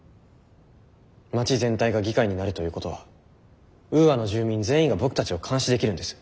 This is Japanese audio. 街全体が議会になるということはウーアの住民全員が僕たちを監視できるんです。